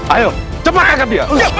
ayo cepatkan dia